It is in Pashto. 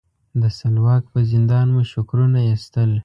د سلواک په زندان مو شکرونه ایستل.